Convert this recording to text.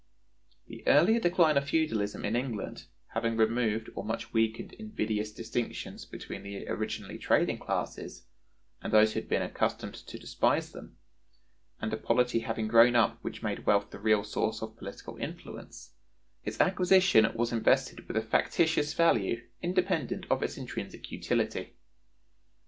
The earlier decline of feudalism [in England] having removed or much weakened invidious distinctions between the originally trading classes and those who had been accustomed to despise them, and a polity having grown up which made wealth the real source of political influence, its acquisition was invested with a factitious value independent of its intrinsic utility.